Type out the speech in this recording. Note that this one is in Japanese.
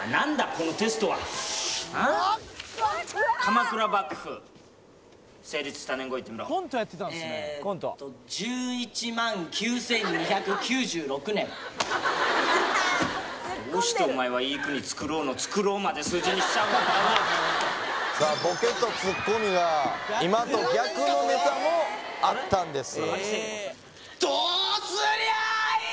このテストはどうしてお前はまで数字にしちゃおうとボケとツッコミが今と逆のネタもあったんです